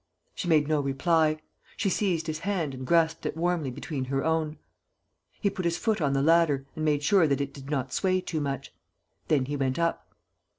She made no reply. She seized his hand and grasped it warmly between her own. He put his foot on the ladder and made sure that it did not sway too much. Then he went up.